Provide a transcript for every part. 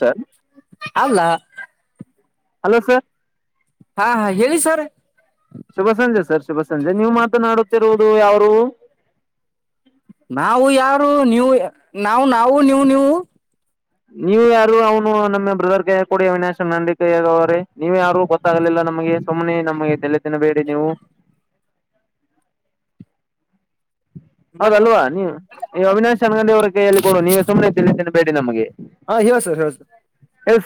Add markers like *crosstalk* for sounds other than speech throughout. sir ಅಲ್ಲ hello sir ಹಾ ಹಾ ಹೇಳಿ ಸರ್ ಶುಭ ಸಂಜೆ ಸರ್ ಶುಭ ಸಂಜೆ ನೀವು ಮಾತನಾಡುತ್ತಿರುವುದು ಯಾವಾರು ನಾವು ಯಾರು ನೀವು ನಾವು ನಾವು ನೀವು ನೀವು ನೀವ ಯಾರು ಅವನು ನಮ್ಮ ಬ್ರದರ್ ಕೈಯ ಕೊಡಿ ಅವಿನಾಶ ನಂಡ ಕೈಯಾಗ ಅವ್ರೀ ನೀವ ಯಾರು ಗೊತ್ತಾಗಲಿಲ್ಲ ನಮಗೆ ಸುಮ್ಮನೆ ನಮಗೆ ತಲೆ ತಿನಬೇಡಿ ನೀವು *inaudible* ಹೌದಲ್ವಾ ನೀ ನೀ ಅವಿನಾಶ್ ಚೆಗಂಡಿ ಅವರ ಕೈಯಲ್ಲಿ ಕೊಡು ನೀವೇ ಸುಮನೆತಿೇ ಬೇಡಿ ನಮಗೆ ಹಾ ಹೇಳ ಸರ್ ಹೇಳ ಸರ್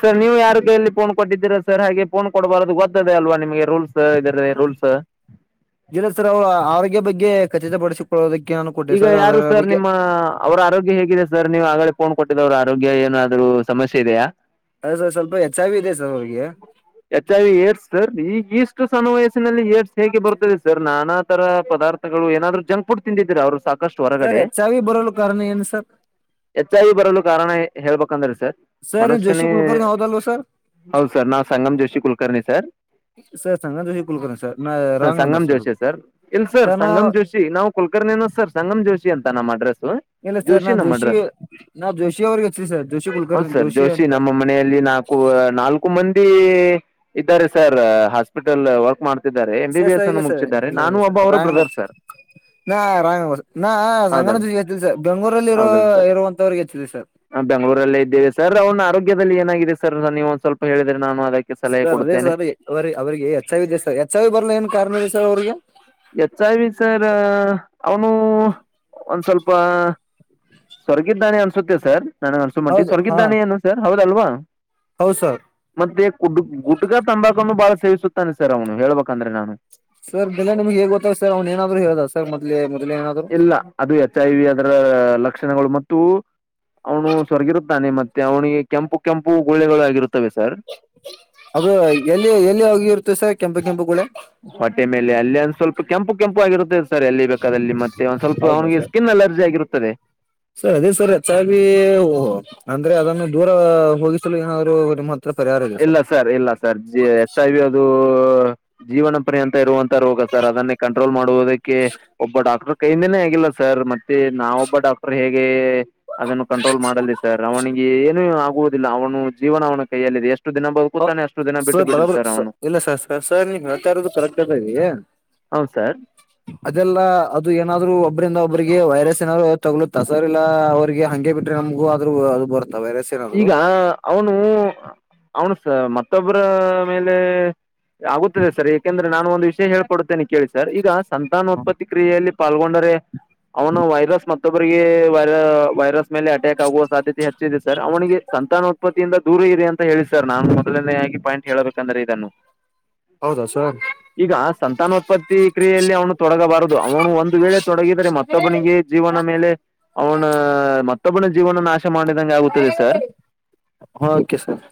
ಸರ್ ನೀವು ಯಾರುೈಲ್ಲಿ ಫೋನ್ ಕೊಟ್ಟಿದ್ದೀರಾ ಸರ್ ಹಾಗೆ ೋನ್ ಕೊಡ್ಬಾರೋದು ಗೊದ ಅಲ್ವಾ ನಿಮಗೆ ರೂಸ್ ಇದ ರೂಲ್ಸ್ ಹ ಲ ಸರ್ ಅವ್ರ ಆರೋಗ್ಯ ಬಗ್ಗೆ ಖಚಿತಪಡಿಸಿಕೊಳ್ಳೋದಕ್ಕೆ ನಾನು ಕೊಟ್ಟೆ ಈಗ ಯಾರು ಅದರ ಸರ್ ಬಗ್ಗೆ ನಿಮ್ಮ ಅವ್ರ ಆರೋಗ್ಯ ಹೇಗಿದೆ ಸರ್ ನೀವು್ ಆಗಲೇ ಫೋನ್ ಕೊಟ್ಟಿದ ಅವರು ಆರೋಗ್ಯ ಏನಾದ್ರೂ ಸಮಸ್ಯೆ ಇದೆಯಾ ಅ ಸರ್ ಸ್ವಲ್ಪ ಹೆಚ್ಚಾಗಿ ಇದೆ ಸರ್ ಅವರಿಗೆ ಎಚ್ ಏರ್ಸ್ತರ್ ಈಗ ಇಷ್ಟು ಸಣವಯಸ್ಸ ಏಸ್ ಹೇಗೆ ಬರುತ್ತದೆ ಸರ್ ನಾನಾ ತರ ಪದಾರ್ಥಗಳು ಏನಾದ್ರು ಜಂಕ್ ಫುಡ್ ತಿಂದಿದ್ರರಿ ಅವ್ರು ಸಾಕು ಸರ್ ಹೊರಗಡೆ ಎಚ್ ಐ ವಿ ಬರಲು ಕಾರಣ ಏನು ಸರ್ ಎಚ್ಐ ಬರಲು ಕಾರಣ ಹೇಳ್ಬೇಕಂದ್ರೆ ಸ ಸರ್ ಮನೋಜ ನೀವು ಜೋಶಿ ಶನಿ ಕುಲಕರ್ಣಿ ಹೌದಲ್ವ ಸರ್ ಹೌದು ಸರ್ ನಾ Sangam Joshi Kulkarni sir sir Sangam Joshi Kulkarni sir ನಾ ಹ ರಾಂಗ್ ನಂಬರ್ ಸಂಗಮ್ ಅದು ಜೋಷಿ ಸರ್ ಇಲ್ ಸರ್ ಸಂಗಮ್ ಜೋಷಿ ನಾವು ಕಲ್ ಅರ್ೇನ ಸರ್ ಸಂಗಮ ಜೋಶಿ ಅಂತ ನಮ್ಮ ಅಡ್ರೆಸ್ ಇಲ್ಲ ಸರ್ ಜೋಶ ನಾ ನಮ್ಮ್ರ ಜೋಶಿ ಸರ್ ನಾ ಜೋಶಿ ಅವ್ರಿಗೆ ಹಚ್ಚಿ ಸರ್ ಜೋಶಿ ಹೌದ ಕುಲಕರ್ಣಿ ಸರ್ ಜೋಶಿ ಅಂತ ನಮ್ಮ ಮನೆಯಲ್ಲಿ ನಾಲ್ಕು ನಾಲ್ಕು ಮಂದಿ ಇದ್ದಾರೆ ಸರ್ ಹಾಸ್ಪಿಟಲ್ ವರ್ಕ್ ಮಾಡ್ A B sir B S sir ಇಲ್ಲ ಅನ್ನು ಸರ್ ಮುಗಿಸಿದ್ದಾರೆ ಇಲ್ಲ ನಾನು ಇಲ್ಲ ಸರ್ ಒಬ್ಬ ಅವರ ರಾಂಗ್ ಬ್ರದರ್ ಸರ್ ನಾ ರಂಗ ನಾ ಹೌದಲ್ ಸಂಂಗಣದ ಎಚ್ಚ್ ಸರ್ ಬೆಂಗ್ೂರಲ್ಲಿ ಇರೋ ಹೌದಲ್ ಸರ್ ಇರುವಂತವ್ರಿಗೆ ಹೆಚ್ಚಿದವಿ ಸರ್ ಬೆಂಗಳೂರಲ್ಲೇ ಇದ್ದೇವೆ ಸರ್ ಅವ್ನ ಆರೋಗ್ಯದಲ್ಲಿ ಏನಾಗಿದೆ ಸರ್ ನೀವು ಒಂದ ಸ್ವಲ್ಪ ಹೇಳಿದ್ರೆ ನಾನು ಅದಕ್ಕೆ ಸಲಹೆ ಸರ್ ಅದೇ ಕೊಡುತ್ತೇನೆ ಸರ್ ಅವ ಅವ್ರಿಗೆ ಎಚ್ ಐ ಇದೆ ಸರ್ ಎಚ್ ಐ ಬರ್ಲ ಏನ್ ಕಾರಣ ಇದೆ ಸರ್ ಅವ್ರಿಗೆ ಹೆಚ್ ಸರ್ ಅವನು ಒಂದ್ ಸ್ವಲ್ಪ ಸ್ವರ್ಗಿದ್ದಾನೆ ಅನ್ಸುತ್ತೆ ಸರ್ ನನಗ್ ಅನ್ಸ ಮಟ್ಟಿ ಹೌದು ಹಾ ಸ್ವರ್ಗಿದ್ದಾನೆ ಏನು ಸರ್ ಹೌದಲ್ವಾ ಹೌದು ಸರ್ ಮತ್ತೆ ಕುಡ್ ಗುಡ್ಗ ತಂಡ ಬಹಳ ಸೇವಿಸುತ್ತಾನೆ ಸರ್ ಅವ್ನು ಹೇಳ್ಬೇಕಂದ್ರೆ ನಾನು ಸ ಅವ್ನ ರೆನಾದ್ರು ಹೇಳದ ಸರ್ ಮದ್ ಇಲ್ಲ ಅದು ಎಚ್ ಐ ವಿ ಅದರ ಲಕ್ಷಣಗಳು ಮ ಅವನು ಸ್ವರ್ಗಿರುತ್ತಾನೆ ಮತ್ತೆ ಅವನಿಗೆ ಕೆಂಪು ಕೆಂಪು ಗೋಳ್ಳೆಗಳು ಆಗರುತ್ತೆ ಅ ಎಲ್ಲಿ ಎಲ್ಲಿ ಹೋಗಿ ಇರ್ತ ಸರ್ ಕೆಂಪು ಕೆಂಪುಗಳ ಹೊಟ್ಟೆ ಮೇಲೆ ಅಲ್ಲಿ ಅಂದ್ ಸ್ವಲ್ಪ ಕೆಂಪು ಕೆಂಪು ಆಗಿರುತ್ತದೆ ಸರ್ ಎಲ್ಲಿ ಬೇಕಾದ ಅಲ್ಲಿ ಮತ್ತೆ ಒಂದ್ ಸ್ವಲ್ಪ ಹೌದಾ ಅವನಿಗೆ ಸರ್ ಸ್ಕಿನ್ ಅಲರ್ಜಿ ಆಗಿರುತ್ತದೆ ಸರ್ ಅದೇ ಸರ್ ಹೆಚ್ಚಾಗಿ ಅಂದ್ರೆ ಅದನ್ನು ದೂರ ಹೋಗಿಸಲು ಏನಾದ್ರು ನಿಮ್ಮ ಹತ್ರ ಪರಿಹಾರ ಇದೆ ಇಲ್ಲ ಸರ್ ಇಲ್ಲ ಸರ್ ಹೆಚ್ ಐ ಬಿ ಅದು ಜೀವನ ಪರಿ ಅಂತ ಇರುವಂತ ರೋಗ ಸರ್ ಅದನ್ನೇ ಕಂಟ್ರೋಲ್ ಮಾಡುವುದಕ್ಕೆ ಒಬ್ಬ ಡಾಕ್ಟರ್ ಕೈಿಂದೇ ಆಗಿಲ್ಲ ಸರ್ ಮತ್ತೆ ನಾವೊಬ್ಬ ಡಾಕ್ಟರ್ ಹೇಗೆ ಅದನ್ನು ಕಂಟ್ರೋಲ್ ಮಾಡಲ್ ಸರ್ ಅವನಿಗೆ ಏನು ಆಗುವುದಿಲ್ಲ ಅವನು ಜೀವನ ಅವನ ಕೈಯಲ್ಲಿದೆ ಎಷ್ಟು ದಿನ ಹ ಬದುಕುತ್ತಾನೆ ಅಷ್ಟು ದಿನ ಬಿಟ್ಟು ಸರ್ ಬಿಡ್ರಿ ಬರಬ ಸ ಅವನು ಇಲ್ಲ ಸರ್ ಸ ಸರ್ ನಿತ ಕರಕ್ತರಿ ಹೌದು ಸರ್ ಅದೆಲ್ಲ ಅದು ಏನಾದ್ರು ಒಬ್ಬ್ರಂದ ಒಬ್ಬ್ರಿಗೆ ವೈರಸ್ ಏನಾದ್ರು ತಗಲ ತಸರಿಲ್ಲ ಅವ್ರರಿಗೆ ಹಂಗೆ ಬಿಟ್ರೆ ನಮಗು ಆದ್ರರು ಅದು ಬರು ಈಗ ಅವನು ಅವನು ಸ ಮತ್ತೊಬ್ಬರ ಮೇಲೆ ಆಗುತ್ತದೆ ಸರ್ ಾಕೆಂದ್ರೆ ನಾನು ಒಂದು ವಿಷಯ ಹೇಳ್ಕಡುತ್ತತೇನೆ ಕೇಳಿ ಸರ್ ಈಗ ಸಂತಾನ ಉತ್ಪತ್ತಿ ಕ್ರಿಯೆಯಲ್ಲಿ ಪಾಲ್ಗೊಂಡರೆ ಅವನು ವೈರಸ್ ಮತ್ತು ಮತ್ತೊಬರಿಗೆ ವೈ ವೈರಸ್ ಮೇಲೆ ಅಟ್ಯಾಕ್ ಆಗುವ ಸಾಧ್ಯತೆ ಹೆಚ್ಚಿದ ಸರ್ ಅವನಿಗೆ ಸಂತಾನೋತ್ಪತ್ತಿಯಿಂದ ದೂರ ಇರಿ ಅಂತ ಹೇಳಿ ಸರ್ ನಾನು ಮೊದಲಿಂದ ಹಾಗಿ ಪಾಯಿಂಟ್ ಹೇಳಬೇಕಂದ್ರೆ ಇದನ್ನು ಹೌದಾ ಸುರ ಈಗ ಸಂತಾನೋತ್ಪತ್ತಿ ಕ್ರಿಯೆಯಲ್ಲಿ ಅವನು ತೊಡಗಬಾರದು ಅವನು ಒಂದು ವೇಳೆ ತೊಡಗಿದರೆ ಮತ್ತೊಬ್ಬನಿಗೆ ಜೀವನ ಮೇಲೆ ಅವನ ಮತ್ತೊಬ್ಬನ ಜೀವನ ನಾಶ ಮಾಡಿದ ಸರ್ ಓಕೆ ಸರ್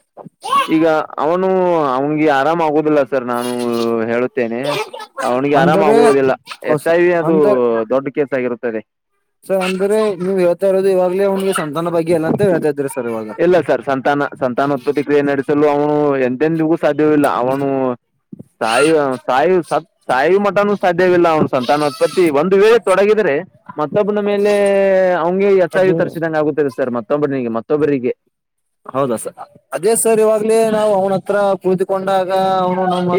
ಈಗ ಅವನು ಅವನ್ಿಗೆ ಆರಾಮ ಆಗೋುದಿಲ್ಲ ಸರ್ ನಾನು ಹೇಳುತ್ತೇನೆ ಅವನಿಗೆ ಅಂದರೆ ಆರಾಮಾಗುವುದಿಲ್ಲ ಹೌ ಎಚ್ ಸರ್ ಐ ವಿ ಅದು ದೊಡ್ ಕೇಸ ಆಗಿರುತ್ತದೆ ಸೊ ಅಂದ್ರೆ ನೀವು ಹೇಳ್ತಾ ಇರೋದು ಇವಾಗಲೇ ಅವ್ಿಗೆ ಸಂತಾನ ಬಗ್ಗೆ ಎಲ್ಲ ಅಂತ ಹೇತಾ ಇದ್ರರಿ ಇಲ್ಲ ಸರ್ ಸಂತಾನ ಸಂತಾನೋತ್ಪತ್ತಿಕ್ರಿಯೆ ನಡೆಸಲು ಅವನು ಎಂದೆಂದಿಗೂ ಸಾಧ್ಯವವಿಲ್ಲ ಅವನು ಸಾಯ ಸಾಯ ಸಾಯಿ ಮಠಾನ ಸಾಧ್ಯವಿಲ್ಲ ಅವನು ಸಂತಾನತ್ಪತ್ತಿ ಒಂದು ವೇಳೆ ತೊಡಗಿದ್ರೆ ಮತ್ತೊಬ್ನ ಮೇಲೆ ಅವಿಗೆ ಅದು ತರಿಸಿದಂ ಆತ್ತ ಸರ್ತ್ತೆ ಹೌದಾ ಸರ್ ಅದೇ ಸರ್ ಇವಾಗ್ಲೇ ನಾ ಅವನ ಹತ್ರ ಕುಳಿದುಕೊಂಡಾಗ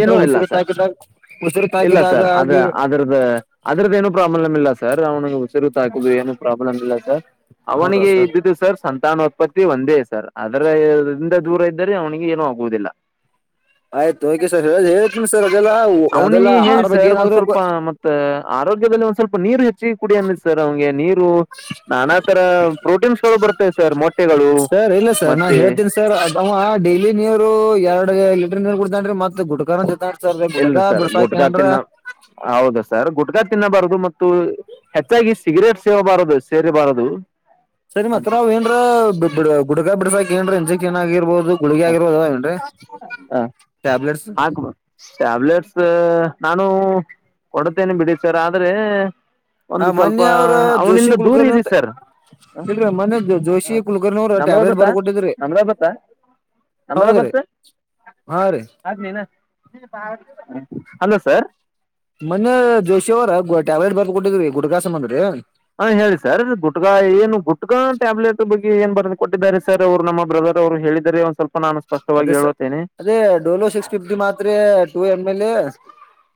ಏನೂ ಇಲ್ಲ ಸರ್ ಉಸಿರು ಇಲ್ಲ ತಾಕಿದಾಗ ಸರ್ ಅದ ಆಗಿ ಅದ್ರದ್ದ ಅದ್ರದ ಏನು ಪ್ರಬ್ ಪ್ರಾಬ್ಲಮ್ ಇಲ್ಲ ಸರ್ ಅವ್ನಿಗೆ ಉಸಿರುತ ಹಾಕುದು ಏನು ಪ್ರಾಬ್ಲಮ್ ಇಲ್ಲ ಸರ್ ಅವನಿಗೆ ಇದ್ದುದು ಸರ್ ಸಂತಾನ ಉತ್ಪತ್ತಿ ಒಂದೇ ಸರ್ ಅದರಂದ ದೂರ ಇದ್ದರೆ ಅವನಿಗೆ ಏನುೂ ಆಗುವುದಿಲ್ಲ ಆಯ್ತು ಓಕೆ ಸರ್ ಹೇತೀನಿ ಸರ್ ಅದೆಲ್ಲ ಅದೆಲ್ಲ ಅವನಿಗೆ ಹೇಳಿ ಆಹಾರ ಬಗ್ಗೆ ಸರ್ ಒಂದ್ ಸ್ವಲ್ಪ ಏನಾದ್ರು ಮತ್ತತ್ ಆರೋಗ್ಯದಲ್ಲಿ ಒಂದ್ ಸ್ವಲ್ಪ ನೀರು ಹೆಚ್ಚ ರುಚಿ ಕುಡಿ ಅನ್ನ್ ಸರ್ ಅವಿಗೆ ನೀರು ನಾನಾ ತರ ಪ್ರೋಟೀನ್ಸ್ಗಳು ಬರ್ತವೆ ಸರ್ ಮೊಟ್ಟೆಗಳು ಸರ್ ಇಲ್ಲ ಸರ್ ನಾ ಮತ್ತೆ ಹೇಳ್ತೀನಿ ಸರ್ ಅದ್ ಅವ ಡೈಲಿ ನೀರು ಎರಡು ಲೀಟರ್ ನೀರ್ ಕುಡ್ತಾರಿ ಮತ್ ಗುಡ್ಕಾನ ಜೊ ಇಲ್ ಸರ್ ಗುಟ್ಕಾತಿನ ಹೌದ ಸರ್ ಗುಟ್ಕಾತಿ ತಿನ್ನಬಾರದು ಮತ್ತು ಹೆಚ್ಚಾಗಿ ಸಿಗರೇಟ್ ಸೇವಬಾರದು ಸೇರಿಬಾರದು ಸರಿ ಮತ್ತ ನಾವ್ ಏನ್ರ ಬಿ ಗುಡಗ ಬಿಡ್ಸ ಏನ್ರೀ ಇಂಜೆಕನ್ ಆಗಿರ್ಬೋದು ಗುಳಿಗೆ ಆಗಿರ್ಬೋದದ ಏನ್ರೀ ಆಯ್ತು ಬಿಡು ಟ್ಯಾಬ್ಲೆಟ್ ನಾನು ಕೊಡತೇನೆ ಬಿಡಿ ಸರ್ ಆದ್ರೆ ಆ ಒಂದು ಸ್ವಲ್ಪ ಮೊನ್ನೆ ಅವ್ನಿಂದ ದೂರ ಇರಿ ಸರ್ ಇವರೇ ಮೊನೆ ಜೋಶಿ ಕುಲಕರ್ಣಿ ಅವರು ಟ್ಯಾಬ್ಲೆಟ್ ಬರ ಅಮ್ರಾಬತ್ತ ಹೌದ್ರಿ ಅಮ್ರಾಬತ್ತ ಹಾ ಆ್ಮನಾ *unintelligible* ಮನ್ನೆ ಜೋಶ ಅವರ ಗ ಟ್ಯಾಬ್ಲೆಟ್ ಬರ್ ಕೊಟ್ಟಿದ್ರಿ ಗುಡಗಾಸಸಂದ್ರೀ ಹಾ ಹೇಳಿ ಸರ್ ಗುಟ್ಗಾ ಏನು ಗುಟ್ಕಾ ಟ್ಯಾಬ್ಲೆಟ್ ಬಗ್ಗೆ ಏನ್ ಬರ ಕೊಟ್ಟಿದ್ದಾರೆ ಸರ್ ಅವ್ರು ನಮ್ಮ ಬ್ರದರ್ ಅವರು ಹೇಳಿದಿದ್ದಾರೆ ಒಂದ್ ಸ್ವಲ್ಪ ನು ಅದೇ ಅದೇ ಡೋಲೋ ಸಿಕ್ಸ್ ಫಿಫ್ಟಿ ಮಾತ್ ಟೂ ಎಮ್ ಎಲ್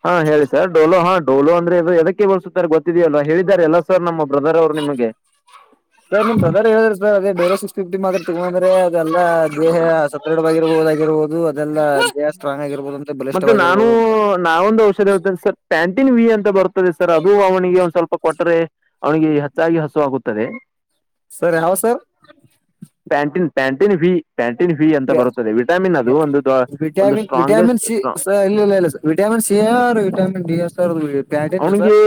ಹಾ ಹೇಳಿ ಸರ್ ಡೋಲೋ ಹಾ ಡೋಲೋ ಅಂದ್ರೆದು ಅದಕ್ಕೆ ಬೋಸುತ್ತತಾರೆ ಗೊತ್ತಿದ್ಯಲ್ಲ್ಲ ಹೇಳಿದಿದ್ದಾರೆ ಎಲ್ಲಾ ಸರ್ ನಮ್ಮ ಬ್ರದರ್ ಅವರು ನಿಮಗೆ ಸರ್ ನಿಮ್ ಬದರ್ ಹೇಳಿದ್ರ ಸರ್ ಅದೇ ಬೇರೆ ಸಿಕ್ಸ್ ಫಿಫ್ಟಿ ಮಾತ್ರ ತಗ ಅಂದ್ರೆ ಲ್ಲ ದೇಹ ಸದೃಢವಾಗಿರಬಹುದುಾಗಿರಬಹದು ಮತ್ತೆ ನಾನು ಬಲಿಷ್ಠವಾಗಿರ್ಬಹುದು ಅಂತ ನಾವೊಂದು ಔಷಧಿ ಹ ಪ್ಯಾಂ ಹಟ್ಟನ್ ವಿ ಅಂತ ಬರ್ತ್ತದೆ ಸರ್ ಅದು ಅವನಿಗೆ ಒಂದ್ ಸ್ವಲ್ಪ ಕೊಟ್ಟರೆ ಅವನಿಗೆ ಹೆಚ್ಚಾಗಿ ಹಸು ಆಾಗುತ್ತದೆ ಸರ್ ಯಾವ ಸರ್ ಪ್ಯಾಂಟಿನ್ ಪ್ಯಾಂಟಿನ್ ಫೀ ಪ್ಯಾಂಟಿನ್ ಫೀ ಅಂತ ಬರುತ್ತದೆ ವಿಟಾಮಿನ್ ಅದು ಒಂದು ದೊ- ಒಂದು ವಿಟಾಮಿನ್ ವಿಟಾಮಿನ್ ಸಿ ಸ್ಟ್ರಾಂಗೆಸ್ಟ್ ಇಲ್ಲ ಇಲ್ಲ ಇಲ್ಲ ವಿಟಾಮಿನ್ ಸಿ ಆರು ವಿಟಾಮಿನ್ ಡಿ ಎ ಅವ್ನಿಗೆ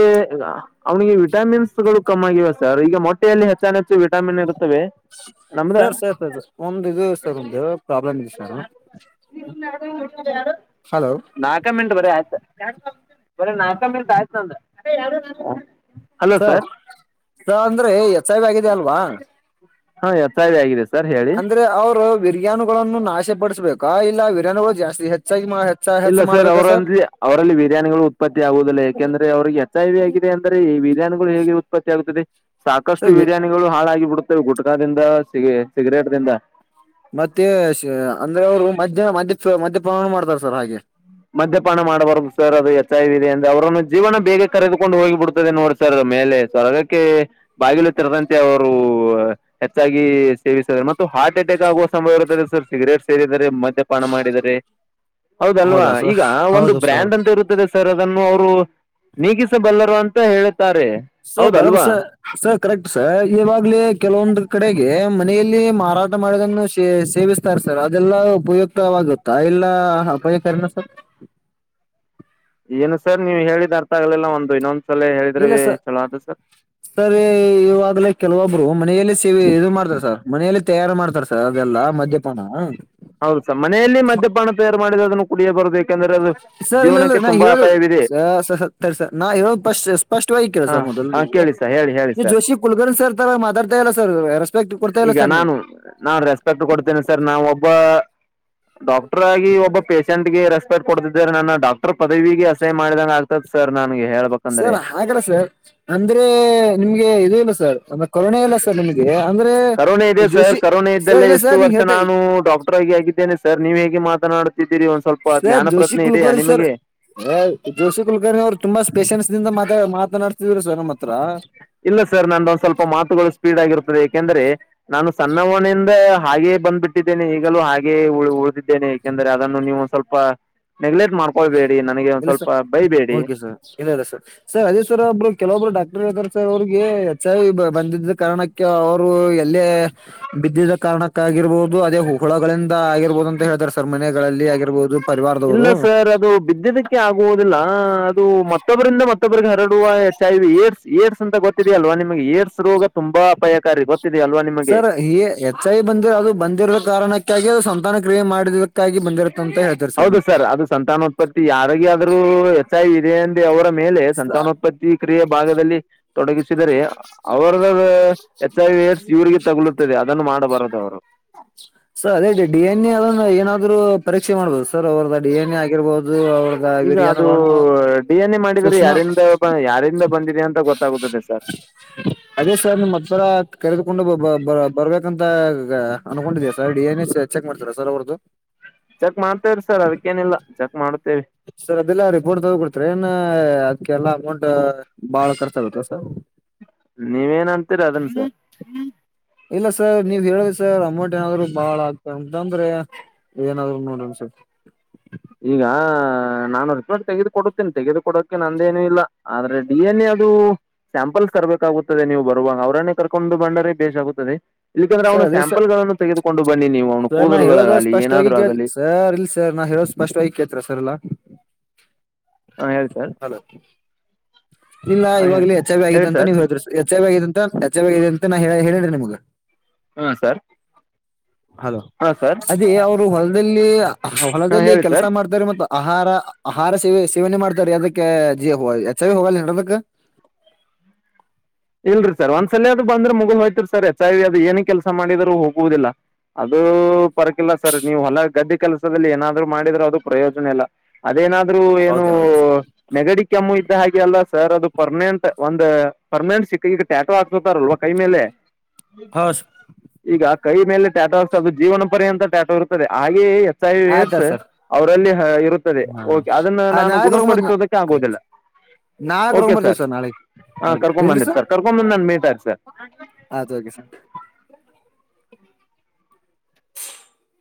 ಅವ್ನಿಗೆ ವಿಟಾಮಿನ್ಸ್ಗಳು ಕಮ್ಮ ಆಗಿವೆ ಸರ್ ಈಗ ಮೊಟ್ಟೆಯಲ್ಲಿ ಹೆಚ್ಚ ವಿಟಾಮಿನ್ ಇರುತ್ತವೆ ನಮ್ದ ದ *unintelligible* ಸರ್ ಪ್ರಾಬ್ಲಮ್ ಇದೆ ಸರ್ ಯಾರು ಹಲೋ ನಾಲ್ಕ ಮಿನಟ್ ಬರೀ ಆಯ್ತ ಬರ ನಾಲ್ಕ ಮೇಲೆ ತಯ್ತ್ನ ಸ ಸ ಅಂದ್ರೆ ಎಚ್ ಐ ಆಗಿದೆ ಅಲ್ವಾ ಹ ಎತ್ತಾಯಿ ಆಗಿದೆ ಸರ್ ಹೇಳಿ ಅಂದ್ರೆ ಅವ್ರು ಬವಿರ್ಯಾನುಗಳನ್ನು ನಾಶ ಪಡಿಸಬೇಕಾ ಇಲ್ಲ ವಿರಿರ್ಯಾನಿಗಳು ಜಾಸ್ತಿ ಹೆಚ್ಚಾಗಿ ಹೆಚ್ಚ ಇಲ್ಲ ಹೆಚ್ಚ ಸರ್ ಮಾಡ್ಬೇಕಾ ಅವರಂದ ಅವರಲ್ಲಿ ವೀರ್ಯಾಣುಗಳು ಉತ್ಪತ್ತಿ ಆಗುವುದಿಲ್ಲ ಯಾಕೆಂದ್ರೆ ಅವ್ರಿಗೆ ಎಚ್ ಐ ವಿ ಆಗಿದೆ ಅಂದ್ರೆ ಈ ವೀರ್ಯಾಣುಗಳು ಹೇಗೆ ಉತ್ಪತ್ತಿ ಆಗುತ್ತದೆ ಸಾಕಷ್ಟು ಸರ್ ವೀರ್ಯಾಣುಗಳು ಹಾಳಾಗಿಬೆ ಗುಟಕದಿಂದ ಸಿಗ ಸಿಗರೇಟ್ ದಿಂದ ಮತ್ತೆ ಅಂದ್ರೆ ಅವ್ರು ಮಧ್ಯ ಮಧ್ಯ ಮದ್ಯಪನ ಮಾಡ್ತಾರ ಸರ್ ಹಾಗೆ ತ ಇದಿದೆ ಅಂದ ಅವ್ರನ್ನು ಜೀವನ ಬೇಗ ಕರೆದುಕೊಂಡು ಹೋಗಿಬ ಬಿಡ್ತದೆ ನೋಡ್ಸರ್ ಮೇಲೆ ಸ್ವರ್ಗಕ್ಕೆ ಬಾಗಿಲು ತೆರದಂತೆ ಅವರು ಹೆಚ್ಚಾಗಿ ಸೇವಿಸರೆ ಮತ್ತು ಹಾರ್ಟ್ ಅಟ್ಯಾಕ್ ಆಗುವ ಸಮಯ ಇರುತ್ತದೆ ಸರ್ ಸಿಗರೇಟ್ ಸೇರಿದರೆ ಮದ್ಯಪಾನ ಮಾಡಿದರೆ ಹೌದಲ್ವಾ ಹೌದಾ ಸರ್ ಈಗ ಒಂದು ಹೌದು ಸರ್ ಬ್ರ್ಯಾಂಡ್ ಅಂತ ಇರುತ್ತದೆ ಸರ್ ಅದನ್ನು ಅವರು ನೀಗಸ ಬಲ್ಲರ ಅಂತ ಹೇಳುತ್ತ ಸ ಬರಬಸ ಸ ಕರೆಕ್ಟ್ ಸರ್ ಈವಾಗ್ಲೇ ಕೆಲವೊಂದು ಕಡೆಗೆ ಮನೆಯಲ್ಲಿ ಲ್ಲಿ ಮಾರಾಟ ಮಾಡೋುದನ್ನು ಸೇವಿಸ್ತಾರೆ ಸರ್ ಅದೆಲ್ಲ ಉಪಯುಕ್ತವಾಗುತ್ತಾ ಎಲ್ಲ ಉಪಯುಕ್ತ *inaudible* ಏನು ಸರ್ ನೀವ್ ಹೇಳಿದ್ ಅರ್ಥ ಆಗ್ಲಿಲ್ಲ ಒಂದು ಇನ್ನೊಂದು ಸಲ ಹೇಳಿದ್ರೆ ಇಲ್ಲ ಸ ಚಲೋ ಆಯ್ತು ಸರ್ ಸರಿ ಇವಾಗಲ ಕೆಲವೊಬ್ ಮನೆಯಲ್ಲಿ ಸೇವೆ ಇದು ಮಾಡ್ತಾರ ಸರ್ ಮನೆಯಲ್ಲಿ ತಯಾರು ಮಾಡ್ತಾರ ಸರ್ ಅವೆಲ್ಲಾ ಮದ್ಯಪಾನ ಹೌದಸಾ ಮನೆಯಲ್ಲಿ ಮದ್ಯಪಾನ ತಯಾರು ಮಾಡಿದ ಅದನ್ನು ಕುಡಿಯೇ ಬರ್ಬೇಕು ಸರ್ ಇ ಇ ನಾ ಹೇಳ ಸರಿ ಸರ್ ನಾ ಹೇಳ ಸ್ ಸ್ಪಷ್ಟವಾಗಿ ಕೇಳ ಹಾ ಸರ್ ಮೊದ ಹಾ ನೀವು ಕೇಳಿ ಸರ್ ಹೇಳಿ ಹೇಳಿ ನೀವು ಸರ್ ಜೋಶಿ ಕುಲ್ಗರ್ಣ್ ಸರ್ ತರ ಮಾತಾಡ್ತಾ ಇಲ್ಲ ಸರ್ ರೆಸ್ಪೆಕ್ಟ್ ಕೊಡ್ತಾ ಇಲ್ಲ ಸರ್ ನೀವು ನಾನ್ ರೆಸ್ಪೆಕ್ಟ್ ಕೊಡ್ತೇನೆ ಸರ್ ನಾ ಒಬ್ಬ ಡಾಕ್ಟರ್ ಆಗಿ ಒಬ್ಬ ಪೇಷಂಟ್ ರೆಸ್ಪೆಕ್ಟ್ ಕೊಡ್ತಿದ್ದಾರೆ ನನ್ನ ಡಾಕ್ಟರ್ ಪದವಿಗೆ ಅಸಹನ್ ಮಾಡಿದಾಗ ಆಗ್ತದೆ ಸರ್ ನನಗೆ ಹೇಳ್ಬೇಕಂದ್ರೆ ಸರ್ ಹಾಗಲ್ಲ ಸರ್ ಅಂದ್ರೆ ನಿಮ್ಗೆ ಇದ ಇಲ್ಲ ಸರ್ತ್ತೆ ಕೊರೋನ ಇಲ್ಲ ಸರ್ ನಿಮಗೆ ಅಂದ್ರೆ ಕರೋನ ಇದೆ ಸರ್ ಜೋಶಿ ಕರೋನಾ ಸರ್ ಇದ್ದಲ್ಲೆ ಇಲ್ಲ ಎಷ್ಟು ಸರ್ ನೀವ್ ವರ್ಷ ಹೇಳ್ತಾ ನಾನು ಡಾಕ್ಟರ್ ಆಗಿ ಆಗಿದ್ದೇನೆ ಸರ್ ನೀವ್ ಹೇಗೆ ಮಾತ ೀರಿ ಒಂದ್ ಸ್ವಲ್ಪ ಸರ್ ಜ್ಞಾನ ಜೋಶಿ ಪ್ರಜ್ಞೆ ಇದದೆೆಯಾ ಕುಲಕರ್ಣಿ ಸರ್ ನಿಮಗೆ ಜೋಶಿ ಕುಲ್ಕರ್ಣಿ ಅವ್ರು ತುಂಬಾ ಸ್ಪೆಷನ್ಸ್ ದಿಂದ ಮಾತ ಮಾತನಾಡಡ್ತಿದ್್ರರು ಸ್ವ ನಮ್ಮ ಹತ್ರ ಇಲ್ಲ ಸರ್ ನಂದೊಂದ್ ಸ್ವಲ್ಪ ಮಾತುಗಳು ಸ್ಪೀಡ್ ಆಗಿರ್ತ್ತೆ ಯಾಕೆಂದ್ರೆ ನಾನು ಸಣ್ಣ ಮನೆಯಿಂದ ಹಾಗೇ ಬಂದ್ಬಿಟ್ಟಿದ್ದೇನೆ ಈಗಲೂ ಹಾಗೇ ಉಳಿದಿದ್ದೇನೆ ಯಾಕೆಂದ್ರೆ ಅದನ್ನು ನೀವು ಸ್ವಲ್ಪ ನೆಗ್ಲೆಕ್ಟ್ ಮಾಡ್ಕೊಳ್ಬೇಕೇು ಇಲ್ಲ ಸರ್ ಓಕೆ ಸರ್ ಇಲ್ಲ ಇಲ್ಲ ಸರ್ ಸರ್ ಅದೇಶ್ವರ್ ಒಬ್ರು ಕೆಲವೊಬ್ರು ಡಾಕ್ಟರ್ ರ್ ಸರ್ ಅವಿಗೆ ಎಚ್ಾಗಿ ಬಂದಿದ್ದ ಕಾರಣಕ್ಕೆ ಅವರು ಎಲ್ಲೇ ಬಿದ್ದಿದ್ದ ಕಾರ ಕಾರಣಕ್ಕ ಆಗಿರ್ಬಹುದು ಅದೇ ಹುಗಳಿಂದ ಆಗಿರ್ಬಹುದು ಅಂತ ಹೇಳ್ತಾರೆ ಸರ್ ಮನೆಗಳಲ್ಲಿ ಆಗಿರ್ಬಹುದು ಇಲ್ಲ ಪರಿವಾರದವರು ಸರ್ ಅದು ಬಿದ್ದಿದ್ದಕ್ಕೆ ಆಗುವುದಿಲ್ಲ ಅದು ಮತ್ತೊಬ್ಬರಿಂದ ಮತ್ತೊಬ್ಬ್ರಿಗೆ ಹರಡ ಏಡ್ಸ್ ಏಡ್ಸ್ ಅಂತ ಗೊತ್ತಿದೆಯ ಅಲ್ವಾ ನಿಮಗೆ ಏಡ್ಸ್ ರೋಗ ತುಂಬಾ ಅಪಾಯಕಾರಿ ಗೊತ್ತ ಸರ್ ಈ ಎಚ್ ಐ ಬಂದಿರ ಅದು ಬಂದಿರದ ಕಾರಣಕ್ಕೆ ಾಗಿ ಅ ಸಂತಾನ ಕ್ರಿಯೆ ಮಾಡದಕ್ಕಾಗಿ ಬಂದಿರುತ್ತೆ ಹೌದು ಸರ್ ಅದು ಸಂತಾನೋತ್ಪತ್ತಿ ಯಾರಗ ಆದ್ರೂ ಹೆಚ್ಚಾಗಿ ಇದೆ ಅಂದ ಅವರ ಮೇಲೆ ಸಂತಾನೋತ್ಪತ್ತಿ ಕ್ರಿಯೆ ಭಾಗದಲ್ಲಿ ತೊಡಗಿಸಿದರೆ ಅವ್ರದ ಎಚ್ ಐ ಏಡ್ಸ್ ಇವ್ರಿಗೆ ತಗುಲುತ್ತದೆ ಅದನ್ನು ಮಾಡಬಾರದು ಅವರು ಸರ್ ಅದೇ ಡಿ ಎನ್ ಎ ಅದನ್ನ ಏನಾದ್ರು ಪರೀಕ್ಷೆ ಮಾಡ್ಬೋದು ಸರ್ ಅವ್ರದ ಡಿ ಎನ್ ಎ ಆಗಿರ್ಬಹುದು ಅವ್ರದ ಈಗ ಅದು ವಿರಿಯಾನುಗಳನ್ನು ಡಿ ಎನ್ ಎ ಮಾಡಿ ಬೇರೆ ಸೂಕ್ಷ್ಮ ಯಾರಿಂದ ಯಾರಿಂದ ಬಂದಿದೆ ಅಂತ ಗೊತ್ತಾಗುತ್ತದೆ ಸರ್ ಕರೆಕೊಂಡು ಬರ್ಬೇಕಂತ ಅನ್ಕೊಂಡಿದ sir D N S check ಮಾಡ್ತಾರಾ ಸರ್ ಅವ್ರದ್ದು ಚೆಕ್ ಮಾಡ್ತೇವ್ರಿ ಸರ್ ಅದಕ್ಕೇನಿಲ್ಲ ಚೆಕ್ ಮಾಡ್ತೇವ ಅದೆಲ್ಲ ರೀ ಪೂರ್ ತಗೊ ಕೊಡ್ತರರಿ ಏನ್ ಅದಕ್ಕೆಲ್ಲಾ ಅಮೌಂಟ್ ಬಾಳ ಖರ್ಚ ಆಗತ್ತ ಸ ನೀವೇನ ಅಂತೀರ ಅದನ್ಸ ಇಲ್ಲ ಸರ್ ನೀವ್ ಹೇಳಿದ ಸರ್ ಅಮೌಂಟ್ ಏನಾದ್ರು ಬಾಳ ಆಗ್ತ ಅಂತ ಅಂದ್ರೆ ಏನಾದ್ರು ನೋಡ ಸರ್ ಈಗ ನಾನು ರಿಪೋರ್ಟ್ ತೆಗೆದುಕ ಕೊಡುತ್ತೇನೆ ತೆಗೆದು ಕೊಡೋಕೆ ನಂದೇನನು ಇಲ್ಲ ಆದ್ರೆ ಡಿ ಎನ್ ಎ ಅದು ಸ್ಯಾಂಪಲ್ಸ್ ಕರ್ಬೇಕಾಗುತ್ತದೆ ನೀವು ಬರುವಾಗ ಅವರನ್ನೇ ಕರ್ಕೊಂಡು ಬಂಡರೆ ಬೇ್ ಆಗುತ್ತದೆ ಇಲ್ಲಿಾಂದ್ರೆ ಸರ್ ಅವನ ಅದೇ ಸರ್ ಸ್ಯಾಂಪಲ್ ಗಳನ್ನು ತೆಗೆದು ಸರ್ ನಾ ಹೇಳೋದ ಸ್ಪಷ್ಟವಾಗಿ ಕ ಆಗಲಿ ಸರ್ ಇಲ್ ಸರ್ ನಾ ಹೇಳ ಫಷ್ಟಟ್ ಐಕ್ಯ ಹತ್ರ ಸರ್ಲ್ಲ ಹಾಂ ಹೇಳಿ ಸರ್ ಅಲ ಇಲ್ಲ ಹಾಂ ಇವಾಗ್ಲ ಹೆಚ್ಚಾವ ಆಗಿದೆ ಹೇಳಿ ಅಂತ ಸರ್ ನೀವ್ ಹೇಳ್ರರು ಹೆಚ್ಚೆ ಬಿದೆ ಅಂತ ನಚ್ಚೆ ಬಿದೆ ಅಂತ ನಾ ಹೇಳ ಹೇಳನ್್ರಿ ನಿಮ್ಗ ಹ್ಮ ಸರ್ ಹದು ಹಾಂ ಸರ್ ಅದೇ ಅವರು ಹೊಲದಲ್ಲಿ ಹಾಂ ಹೊಲದಲ್ಲಿ ಹೇಳಿ ಸರ್ ಕೆಲಸ ಮಾಡ್ತಾರೆ ಮತ್ತ ಆಹಾರ ಆಹಾರ ಸೇವೆ ಸೇವನೆ ಮಾಡ್ತಾರೆ ಅದಕ್ಕೆ ಜ ಯಚ್ಚಾವ ಹೋಗಲ್ಲ ನಡದಕ್ *inaudible* ಇಲ್ರರಿ ಸರ್ ಒಂದ್ಸಲ ಅದು ಬಂದ್ರೆ ಮುಗುಲ್ ಹೋಯ್ತರಿ ಸರ್ ಎಚ್ ಅ್ ಏನ ಕೆಲಸ ಮಾಡಿದ್ರರು ಹೋಗುವುದಿಲ್ಲ ಅದು ಪರಕಿಲ್ಲ ಸರ್ ನೀವು್ ಹೊಲ ಗದ್ದೆ ಕೆಲ್ಸದಲ್ಲಿ ಏನಾದ್ರು ಮಾಡಿದ್ರರು ಅದು ಪ್ರಯೋಜನ ಇಲ್ಲ ಅದೇನಾದ್ರೂ ಏನು ಹೌದೌದು ನೆಗಡಿ ಕೆಮ್ಮು ಇದ್ದ ಹಾಗೆ ಅಲ್ಲ ಸರ್ ಅದು ಪರ್ಮನೆಂಟ್ ಒಂದು ಪರ್ಮನೆಂಟ್ ಸಿಕ್ಕ ಈಗ ಟ್ಯಾಟೋ ಹಾಕ್ತತಾರಲ್ವಾ ಕೈ ಮೇಲೆ ಹೌ ಈಗ ಕೈ ಮೇಲೆ ಟ್ಯಾಟೂ ಆತ ಅದು ಜೀವನ ಪರ್ಯಂತ ಟಾಟೋ ಇರುತ್ತದೆ ಹಾಗೆಯೆ ಸೈ್ ಏಡ್ಸ್ ಆಯ್ತಾಯ್ತು ಸರ್ ಅವರಲ್ಲಿ ಇರುತ್ತದೆೆ ಅದನ್ನ ನಾನು ಗುಣಪಡಿಸೋದಕ್ಕೆ ಆಗೋುದಿಲ್ಲ ನಾಕ ರೋಗಂಬರ್ತೇ ಸ ನಾಳೆ ನೋಡಿ ಕೊಂಡ್ ಬಂದಿರ್ ಸರ್ ಕರ್ಕೊಂಡ್ ಬಂದ್ ಮೀಟ ಹಾಗೆ ಸರ್ ಆಯ್ತು ಓಕೆ ಸರ್ *inaudible*